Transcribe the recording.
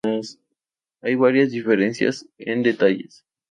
Hay varias diferencias en detalles.